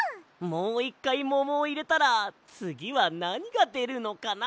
もういっかいももをいれたらつぎはなにがでるのかな？